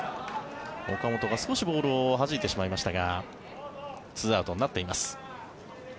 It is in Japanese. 岡本が少しボールをはじいてしましましたが２アウトになっています。